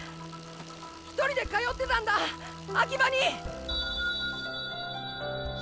一人で通ってたんだアキバに！